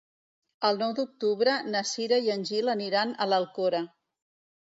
El nou d'octubre na Cira i en Gil aniran a l'Alcora.